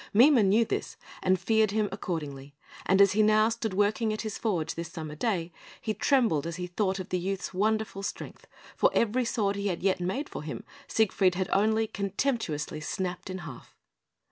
Mime knew this, and feared him accordingly; and as he now stood working at his forge this summer day, he trembled as he thought of the youth's wonderful strength, for every sword he had yet made for him, Siegfried had only contemptuously snapped in half.